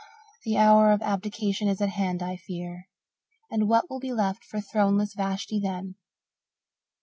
The hour of abdication is at hand, I fear. And what will be left for throneless Vashti then?"